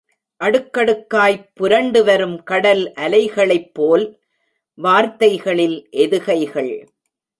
அடுக்கடுக்காய்ப் புரண்டுவரும் கடல் அலைகளைப் போல் வார்த்தைகளில் எதுகைகள்...!